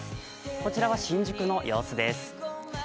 こちらは新宿の様子です。